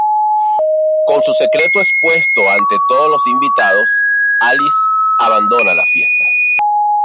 Con su secreto expuesto ante todos los invitados, Alice abandona la fiesta.